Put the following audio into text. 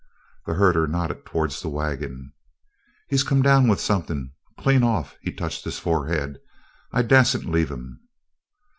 The herder nodded towards the wagon: "He's come down with somethin'. Clean off" he touched his forehead "I dassn't leave him."